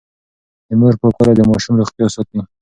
د مور پاکوالی د ماشوم روغتيا ساتي.